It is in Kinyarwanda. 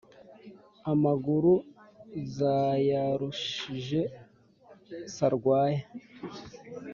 Amaguru zayarushije Sarwaya